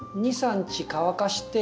２３日乾かして。